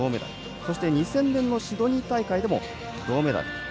そして２０００年のシドニー大会でも銅メダル。